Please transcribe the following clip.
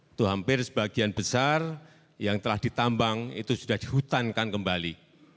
itu hampir sebagian besar yang telah ditambang itu sudah dihutankan kembali